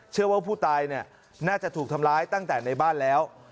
เชื่อว่าผู้ตายน่าจะถูกทำร้ายตั้งแต่ในบ้านแล้ว